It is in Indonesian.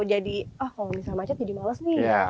jadi oh kalau macet jadi males nih